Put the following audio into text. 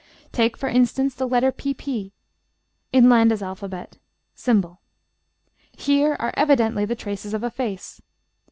Take, for instance, the letter pp in Landa's alphabet, ###: here are evidently the traces of a face.